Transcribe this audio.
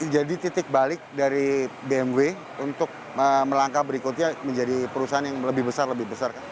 jadi titik balik dari bmw untuk melangkah berikutnya menjadi perusahaan yang lebih besar lebih besar